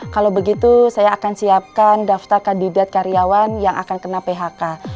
kalau begitu saya akan siapkan daftar kandidat karyawan yang akan kena phk